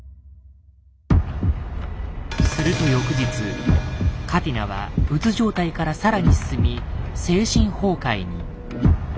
すると翌日カティナはうつ状態から更に進み精神崩壊に。